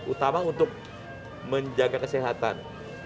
utama untuk menjaga kesehatan